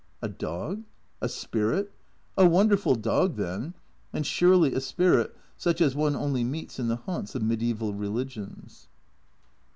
A dog? a spirit? A wonderful dog then, and surely a spirit such as one only meets in the haunts of medieval religions.